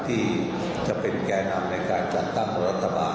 ที่จะเป็นแก่นำในการจัดตั้งรัฐบาล